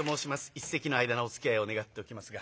一席の間のおつきあいを願っておきますが。